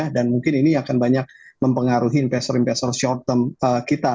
dan mungkin ini akan banyak mempengaruhi investor investor short term kita